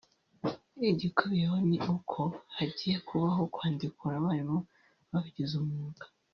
Igikubiyemo ni uko hagiye kubaho kwandikura abarimu babigize umwuga